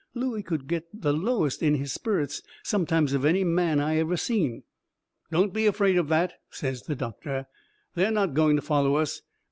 Looey could get the lowest in his sperrits sometimes of any man I ever seen. "Don't be afraid of that," says the doctor. "They are not going to follow us.